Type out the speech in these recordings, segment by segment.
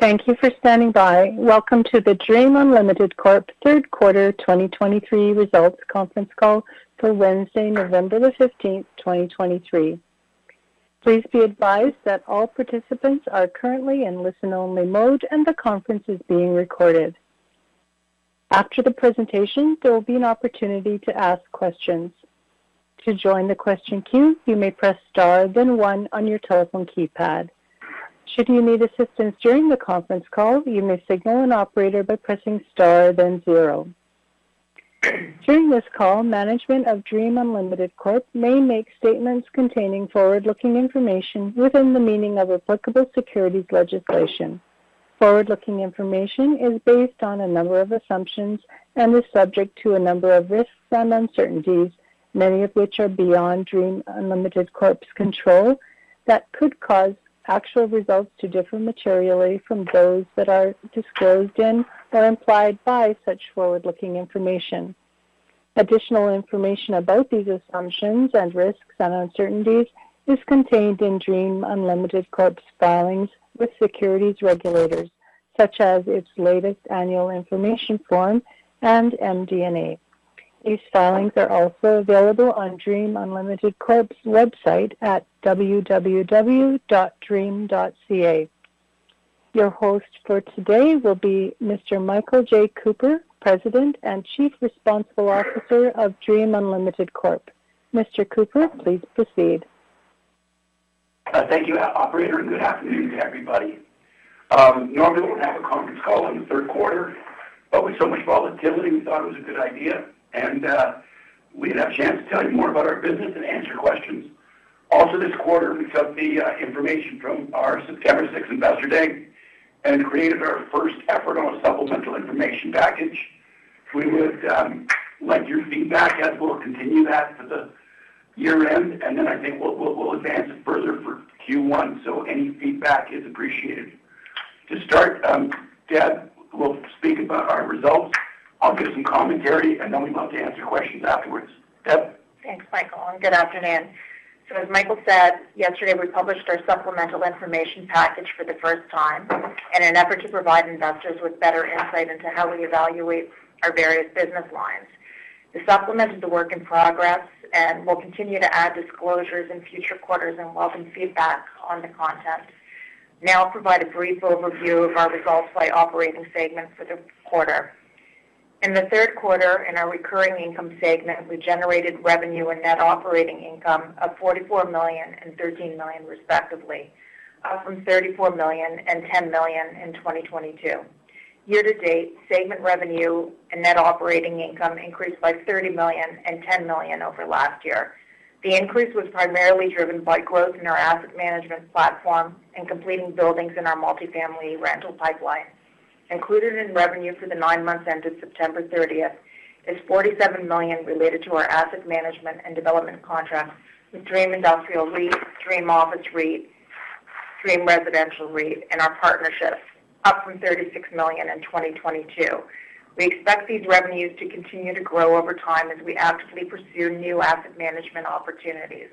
Thank you for standing by. Welcome to the Dream Unlimited Corp third quarter 2023 results conference call for Wednesday, November 15, 2023. Please be advised that all participants are currently in listen-only mode, and the conference is being recorded. After the presentation, there will be an opportunity to ask questions. To join the question queue, you may press Star, then one on your telephone keypad. Should you need assistance during the conference call, you may signal an operator by pressing Star, then zero. During this call, management of Dream Unlimited Corp may make statements containing forward-looking information within the meaning of applicable securities legislation. Forward-looking information is based on a number of assumptions and is subject to a number of risks and uncertainties, many of which are beyond Dream Unlimited Corp's control, that could cause actual results to differ materially from those that are disclosed in or implied by such forward-looking information. Additional information about these assumptions and risks and uncertainties is contained in Dream Unlimited Corp's filings with securities regulators, such as its latest annual information form and MD&A. These filings are also available on Dream Unlimited Corp's website at www.dream.ca. Your host for today will be Mr. Michael J. Cooper, President and Chief Responsible Officer of Dream Unlimited Corp. Mr. Cooper, please proceed. Thank you, operator, and good afternoon to everybody. Normally, we don't have a conference call in the third quarter, but with so much volatility, we thought it was a good idea, and we'd have a chance to tell you more about our business and answer questions. Also, this quarter, we took the information from our September sixth Investor Day and created our first effort on a supplemental information package. We would like your feedback, as we'll continue that for the year-end, and then I think we'll advance it further for Q1. So any feedback is appreciated. To start, Deb will speak about our results. I'll give some commentary, and then we'd love to answer questions afterwards. Deb? Thanks, Michael, and good afternoon. So as Michael said, yesterday, we published our supplemental information package for the first time in an effort to provide investors with better insight into how we evaluate our various business lines. The supplement is a work in progress, and we'll continue to add disclosures in future quarters and welcome feedback on the content. Now I'll provide a brief overview of our results by operating segments for the quarter. In the third quarter, in our recurring income segment, we generated revenue and net operating income of 44 million and 13 million, respectively, up from 34 million and 10 million in 2022. Year to date, segment revenue and net operating income increased by 30 million and 10 million over last year. The increase was primarily driven by growth in our asset management platform and completing buildings in our multifamily rental pipeline. Included in revenue for the 9 months ended September 30 is 47 million related to our asset management and development contracts with Dream Industrial REIT, Dream Office REIT, Dream Residential REIT, and our partnerships, up from 36 million in 2022. We expect these revenues to continue to grow over time as we actively pursue new asset management opportunities.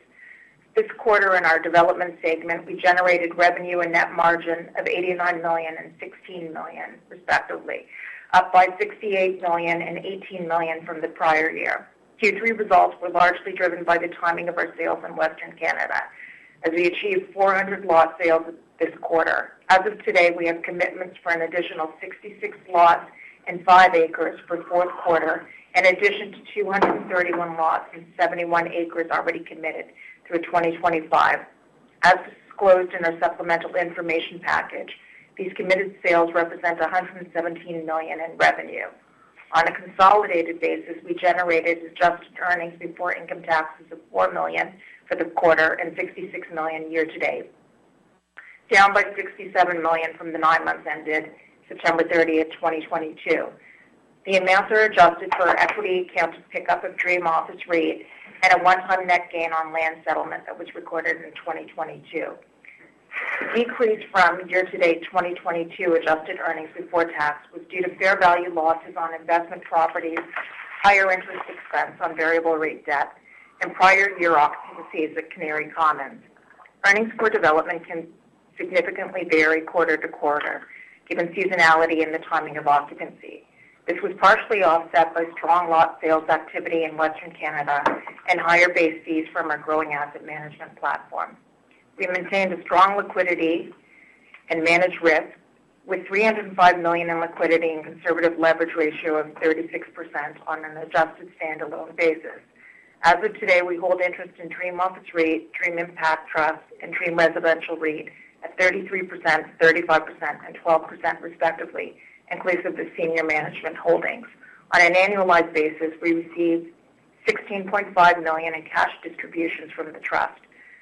This quarter, in our development segment, we generated revenue and net margin of 89 million and 16 million, respectively, up by 68 million and 18 million from the prior year. Q3 results were largely driven by the timing of our sales in Western Canada, as we achieved 400 lot sales this quarter. As of today, we have commitments for an additional 66 lots and 5 acres for fourth quarter, in addition to 231 lots and 71 acres already committed through 2025. As disclosed in our supplemental information package, these committed sales represent 117 million in revenue. On a consolidated basis, we generated adjusted earnings before income taxes of 4 million for the quarter and 66 million year to date, down by 67 million from the nine months ended September 30, 2022. The amounts are adjusted for equity account pickup of Dream Office REIT and a one-time net gain on land settlement that was recorded in 2022. The decrease from year-to-date 2022 adjusted earnings before tax was due to fair value losses on investment properties, higher interest expense on variable rate debt, and prior year occupancies at Canary Commons. Earnings for development can significantly vary quarter to quarter, given seasonality and the timing of occupancy. This was partially offset by strong lot sales activity in Western Canada and higher base fees from our growing asset management platform. We maintained a strong liquidity and managed risk with 305 million in liquidity and conservative leverage ratio of 36% on an adjusted standalone basis. As of today, we hold interest in Dream Office REIT, Dream Impact Trust, and Dream Residential REIT at 33%, 35%, and 12%, respectively, inclusive of senior management holdings. On an annualized basis, we received 16.5 million in cash distributions from the Trust.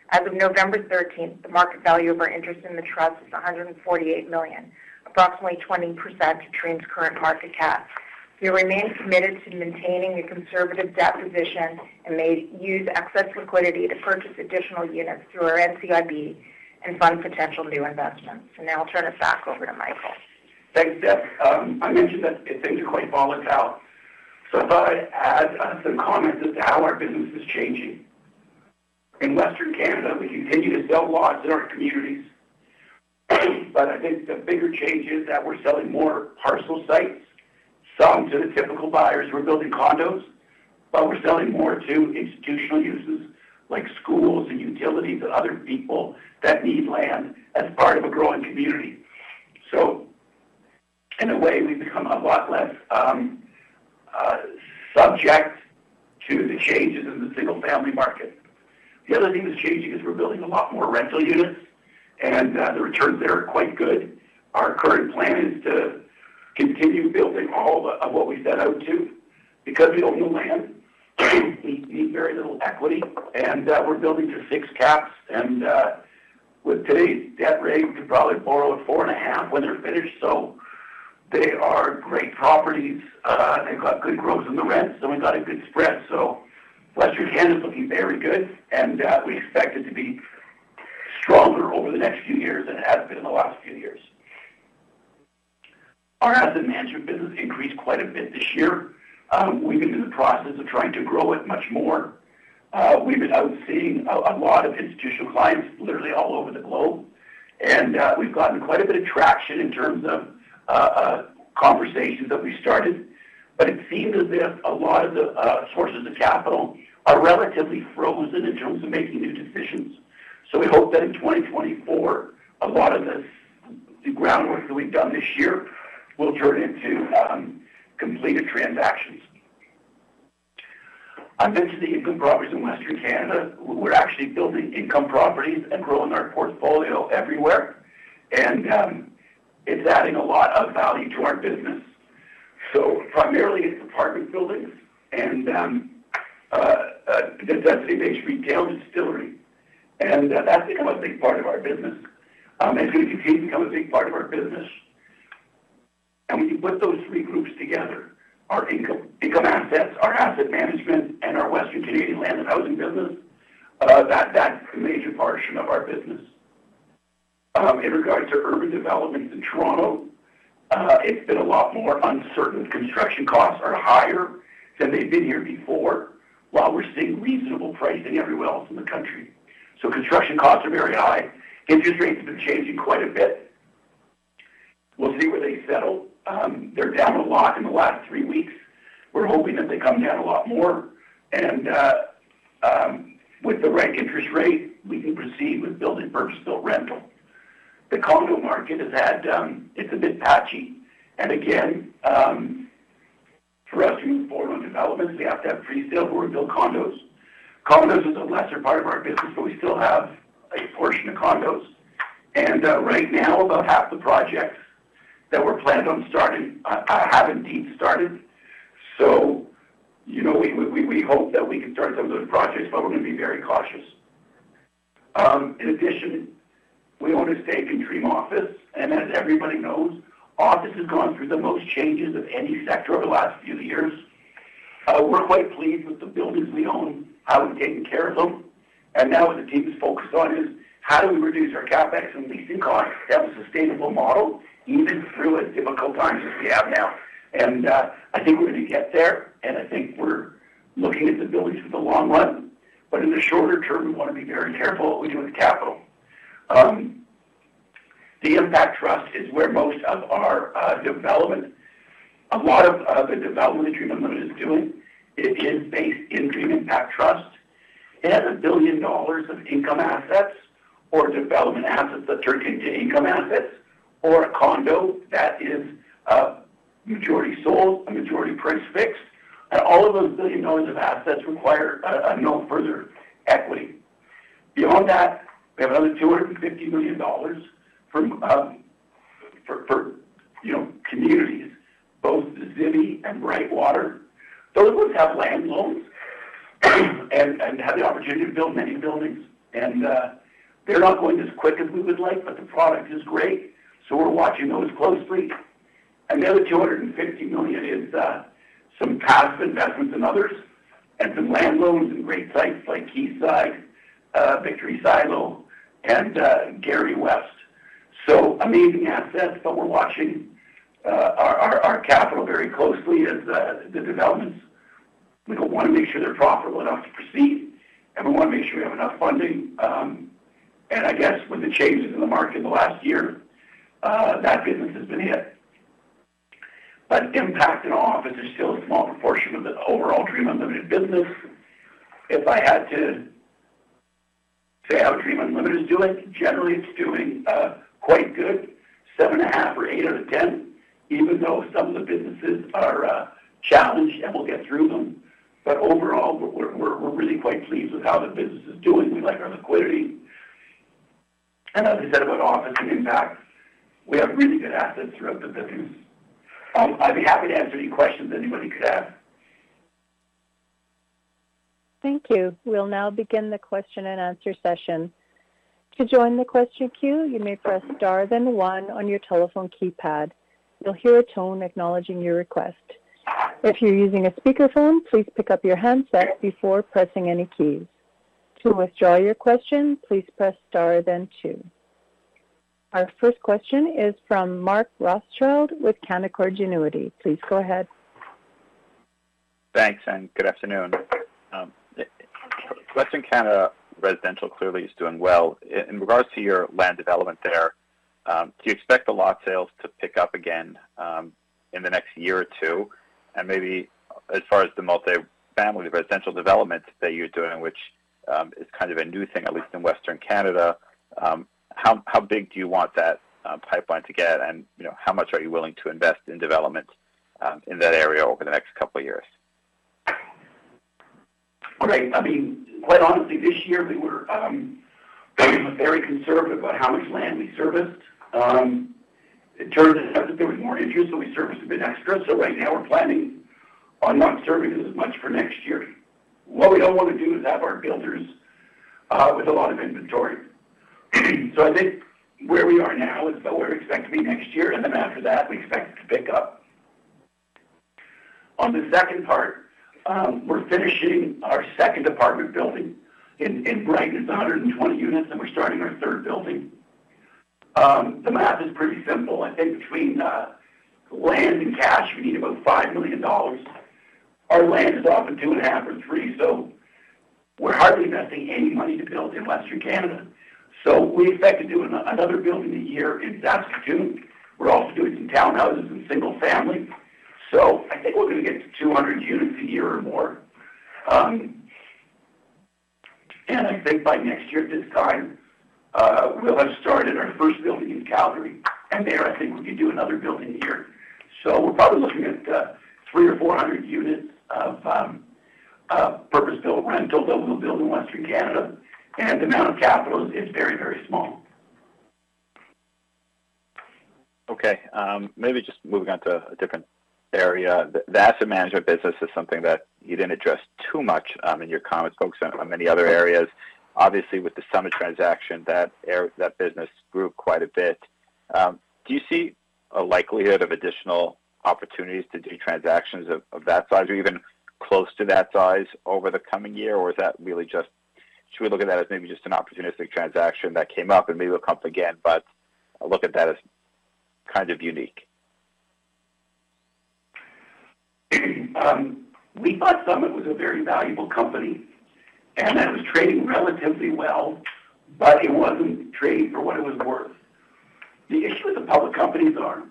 As of November 13, the market value of our interest in the Trust is 148 million, approximately 20% of Dream's current market cap. We remain committed to maintaining a conservative debt position and may use excess liquidity to purchase additional units through our NCIB and fund potential new investments. Now I'll turn it back over to Michael. Thanks, Deb. I mentioned that things are quite volatile, so I thought I'd add some comments as to how our business is changing. In Western Canada, we continue to build lots in our communities. But I think the bigger change is that we're selling more parcel sites, some to the typical buyers who are building condos, but we're selling more to institutional uses like schools and utilities and other people that need land as part of a growing community. So in a way, we've become a lot less subject to the changes in the single-family market. The other thing that's changing is we're building a lot more rental units, and the returns there are quite good. Our current plan is to continue building all of what we set out to. Because we own the land, we need very little equity, and we're building to 6 caps. With today's debt rate, we could probably borrow at 4.5 when they're finished. So they are great properties. They've got good growth in the rents, and we've got a good spread. So Western Canada is looking very good, and we expect it to be stronger over the next few years than it has been in the last few years. Our asset management business increased quite a bit this year. We've been in the process of trying to grow it much more. We've been out seeing a lot of institutional clients, literally all over the globe, and we've gotten quite a bit of traction in terms of conversations that we started. But it seems as if a lot of the sources of capital are relatively frozen in terms of making new decisions. So we hope that in 2024, a lot of this, the groundwork that we've done this year, will turn into completed transactions. I mentioned the income properties in Western Canada. We're actually building income properties and growing our portfolio everywhere, and it's adding a lot of value to our business. So primarily, it's apartment buildings and the Destiny Bay Street Ale Distillery, and that's become a big part of our business. It's become a big part of our business, and we put those three groups together, our income assets, our asset management, and our Western Canadian land and housing business, that's a major portion of our business. In regards to urban developments in Toronto, it's been a lot more uncertain. Construction costs are higher than they've been here before, while we're seeing reasonable pricing everywhere else in the country. So construction costs are very high. Interest rates have been changing quite a bit. We'll see where they settle. They're down a lot in the last three weeks. We're hoping that they come down a lot more. And with the right interest rate, we can proceed with building purpose-built rental. The condo market has had... it's a bit patchy. And again, for us to move forward on developments, we have to have presale before we build condos. Condos is a lesser part of our business, but we still have a portion of condos. And right now, about half the projects that were planned on starting have indeed started. So, you know, we hope that we can start some of those projects, but we're going to be very cautious. In addition, we own a stake in Dream Office, and as everybody knows, office has gone through the most changes of any sector over the last few years. We're quite pleased with the buildings we own, how we've taken care of them, and now what the team is focused on is: how do we reduce our CapEx and leasing costs to have a sustainable model, even through as difficult times as we have now? And, I think we're going to get there, and I think we're looking at the buildings for the long run. But in the shorter term, we want to be very careful what we do with capital. The Impact Trust is where most of our development, a lot of the development Dream Unlimited is doing is based in Dream Impact Trust. It has 1 billion dollars of income assets or development assets that turn into income assets or a condo that is majority sold and majority price fixed. All of those 1 billion dollars of assets require no further equity. Beyond that, we have another 250 million dollars from for you know communities, both Zibi and Brightwater. Those ones have land loans and have the opportunity to build many buildings. They're not going as quick as we would like, but the product is great, so we're watching those closely. And the other 250 million is some passive investments in others and some land loans in great sites like Quayside, Victory Silo, and Gary West. So amazing assets, but we're watching our capital very closely as the developments. We want to make sure they're profitable enough to proceed, and we want to make sure we have enough funding. And I guess with the changes in the market in the last year, that business has been hit. But Impact and Office is still a small proportion of the overall Dream Unlimited business. If I had to say how Dream Unlimited is doing, generally, it's doing quite good, 7.5 or 8 out of ten, even though some of the businesses are challenged, and we'll get through them. But overall, we're really quite pleased with how the business is doing. We like our liquidity. And as I said about Office and Impact, we have really good assets throughout the business. I'd be happy to answer any questions anybody could have. Thank you. We'll now begin the question-and-answer session. To join the question queue, you may press Star, then one on your telephone keypad. You'll hear a tone acknowledging your request. If you're using a speakerphone, please pick up your handset before pressing any keys. To withdraw your question, please press Star, then two. Our first question is from Mark Rothschild with Canaccord Genuity. Please go ahead.... Thanks, and good afternoon. Western Canada Residential clearly is doing well. In regards to your land development there, do you expect the lot sales to pick up again, in the next year or two? And maybe as far as the multifamily residential development that you're doing, which is kind of a new thing, at least in Western Canada, how big do you want that pipeline to get? And, you know, how much are you willing to invest in development, in that area over the next couple of years? All right. I mean, quite honestly, this year we were very conservative about how much land we serviced. It turns out that there was more interest, so we serviced a bit extra. So right now we're planning on not serving as much for next year. What we don't want to do is have our builders with a lot of inventory. So I think where we are now is where we expect to be next year, and then after that, we expect it to pick up. On the second part, we're finishing our second apartment building in Brighton. It's 120 units, and we're starting our third building. The math is pretty simple. I think between land and cash, we need about 5 million dollars. Our land is often 2.5 or 3, so we're hardly investing any money to build in Western Canada. So we expect to do another building a year in Saskatoon. We're also doing some townhouses and single family, so I think we're going to get to 200 units a year or more. And I think by next year, at this time, we'll have started our first building in Calgary, and there, I think we could do another building a year. So we're probably looking at, three or four hundred units of, purpose-built rental that we'll build in Western Canada, and the amount of capital is very, very small. Okay. Maybe just moving on to a different area. The asset management business is something that you didn't address too much, in your comments, focused on, on many other areas. Obviously, with the Summit transaction, that business grew quite a bit. Do you see a likelihood of additional opportunities to do transactions of that size or even close to that size over the coming year? Or is that really just... Should we look at that as maybe just an opportunistic transaction that came up and maybe will come up again, but I look at that as kind of unique? We thought Summit was a very valuable company, and that it was trading relatively well, but it wasn't trading for what it was worth. The issue with the public companies are,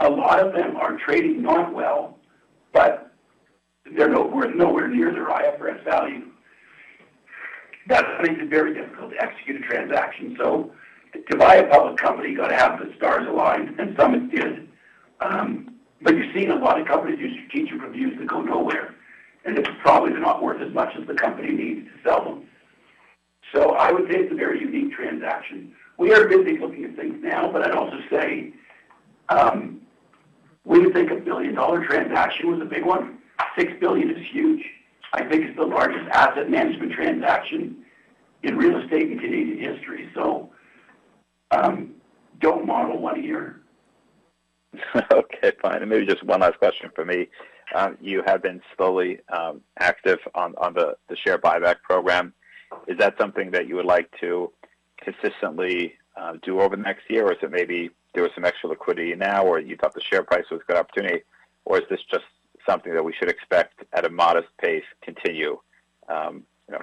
a lot of them are trading not well, but they're nowhere, nowhere near their IFRS value. That makes it very difficult to execute a transaction. So to buy a public company, you got to have the stars aligned, and Summit did. But you're seeing a lot of companies do strategic reviews that go nowhere, and it's probably not worth as much as the company needs to sell them. So I would say it's a very unique transaction. We are busy looking at things now, but I'd also say, we think a billion-dollar transaction was a big one. 6 billion is huge. I think it's the largest asset management transaction in real estate in Canadian history, so, don't model one a year. Okay, fine. Maybe just one last question for me. You have been slowly active on the share buyback program. Is that something that you would like to consistently do over the next year, or is it maybe there was some extra liquidity now, or you thought the share price was a good opportunity, or is this just something that we should expect at a modest pace, continue you know,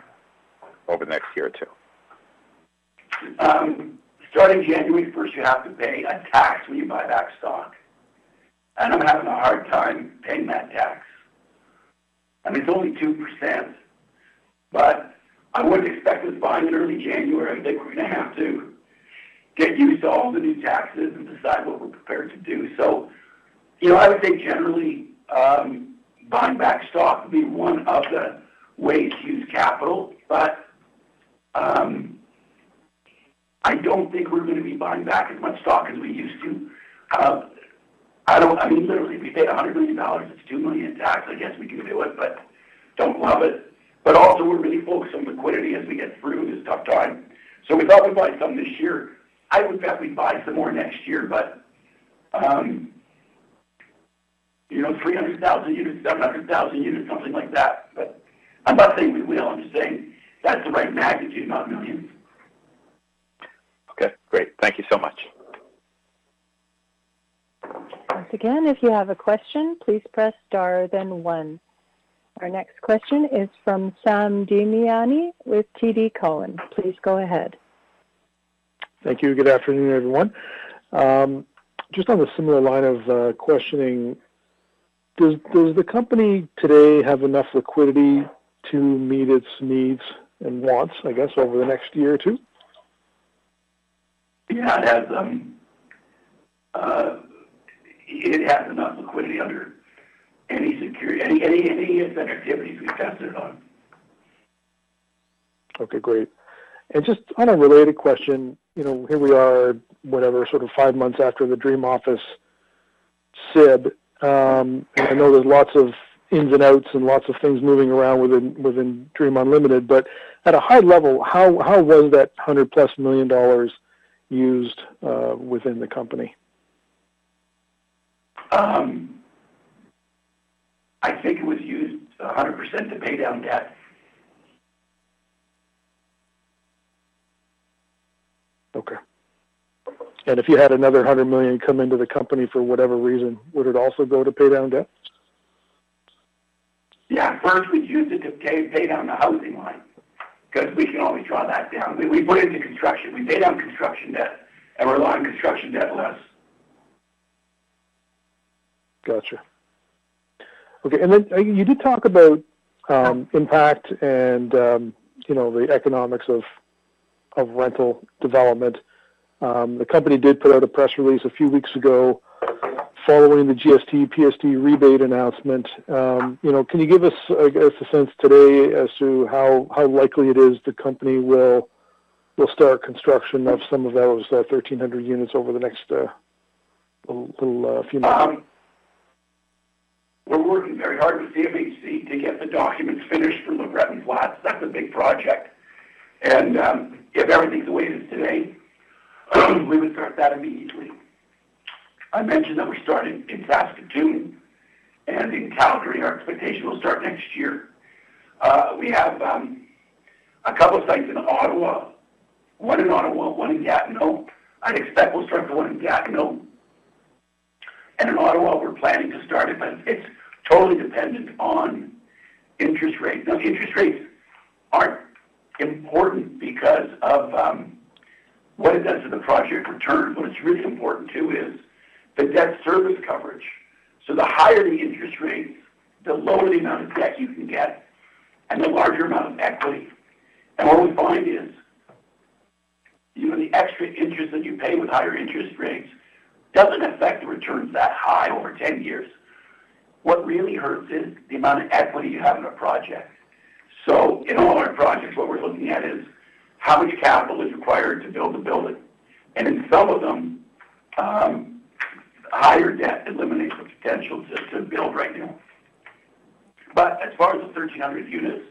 over the next year or two? Starting January first, you have to pay a tax when you buy back stock, and I'm having a hard time paying that tax. I mean, it's only 2%, but I wouldn't expect us buying in early January. I think we're going to have to get used to all the new taxes and decide what we're prepared to do. So, you know, I would say generally, buying back stock would be one of the ways to use capital, but, I don't think we're going to be buying back as much stock as we used to. I mean, literally, if we paid 100 million dollars, it's 2 million in tax. I guess we can do it, but don't love it. But also, we're really focused on liquidity as we get through this tough time. So we thought we'd buy some this year. I would bet we'd buy some more next year, but, you know, 300,000 units, 700,000 units, something like that. But I'm not saying we will. I'm just saying that's the right magnitude, not millions. Okay, great. Thank you so much. Once again, if you have a question, please press Star, then One. Our next question is from Sam Damiani with TD Cowen. Please go ahead. Thank you. Good afternoon, everyone. Just on a similar line of questioning, does the company today have enough liquidity to meet its needs and wants, I guess, over the next year or two? Yeah, it has enough liquidity under any security, any incentive activities we've tested on. Okay, great. Just on a related question, you know, here we are, whatever, sort of five months after the Dream Office SIB. I know there's lots of ins and outs and lots of things moving around within within Dream Unlimited, but at a high level, how was that 100+ million dollars used within the company? I think it was used 100% to pay down debt.... if you had another 100 million come into the company for whatever reason, would it also go to pay down debt? Yeah. First, we'd use it to pay down the housing line, because we can only draw that down. We put it into construction. We pay down construction debt, and we're relying on construction debt less. Got you. Okay, and then you did talk about, impact and, you know, the economics of, of rental development. The company did put out a press release a few weeks ago following the GST/PST rebate announcement. You know, can you give us, I guess, a sense today as to how, how likely it is the company will, will start construction of some of those, 1,300 units over the next, little, few months? We're working very hard with CMHC to get the documents finished for McGretty's Lots. That's a big project. And, if everything's the way it is today, we would start that immediately. I mentioned that we started in Saskatoon, and in Calgary, our expectation will start next year. We have a couple of sites in Ottawa, one in Ottawa, one in Gatineau. I'd expect we'll start the one in Gatineau. And in Ottawa, we're planning to start it, but it's totally dependent on interest rates. Now, interest rates are important because of what it does to the project return. What it's really important, too, is the debt service coverage. So the higher the interest rate, the lower the amount of debt you can get and the larger amount of equity. What we find is, you know, the extra interest that you pay with higher interest rates doesn't affect the returns that high over 10 years. What really hurts is the amount of equity you have in a project. So in all our projects, what we're looking at is how much capital is required to build a building. And in some of them, higher debt eliminates the potential to build right now. But as far as the 1,300 units,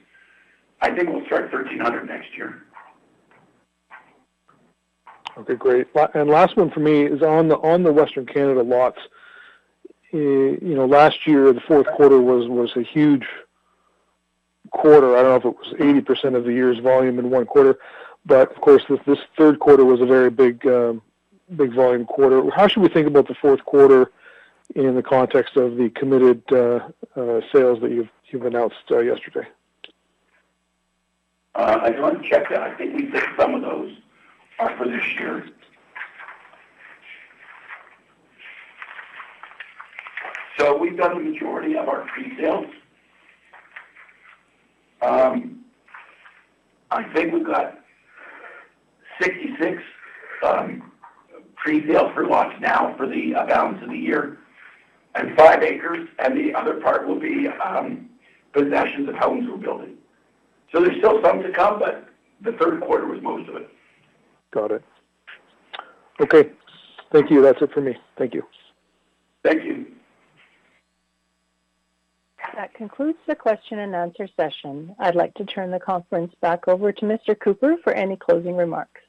I think we'll start 1,300 next year. Okay, great. And last one for me is on the, on the Western Canada lots. You know, last year, the fourth quarter was a huge quarter. I don't know if it was 80% of the year's volume in one quarter, but of course, this third quarter was a very big, big volume quarter. How should we think about the fourth quarter in the context of the committed sales that you've announced yesterday? I'd want to check that. I think we said some of those are for this year. So we've done the majority of our presales. I think we've got 66 presales for lots now for the balance of the year, and 5 acres, and the other part will be possessions of homes we're building. So there's still some to come, but the third quarter was most of it. Got it. Okay. Thank you. That's it for me. Thank you. Thank you. That concludes the question and answer session. I'd like to turn the conference back over to Mr. Cooper for any closing remarks.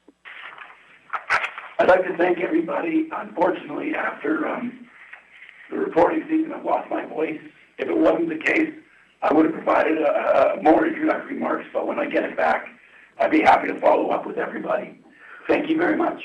I'd like to thank everybody. Unfortunately, after the reporting season, I've lost my voice. If it wasn't the case, I would have provided more introductory remarks, but when I get it back, I'd be happy to follow up with everybody. Thank you very much.